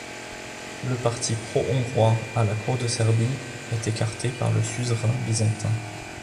La parti pro-hongrois à la cour de Serbie est écarté par le suzerain byzantin.